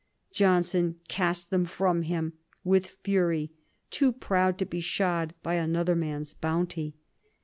Johnson cast them from him with fury, too proud to be shod by another man's bounty.